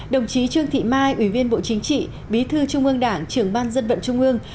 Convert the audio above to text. đồng chí trương thị mai ủy viên bộ chính trị bí thư trung ương đảng trưởng ban dân vận trung ương